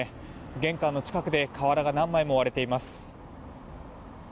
玄関の近くで瓦が何枚も割れています。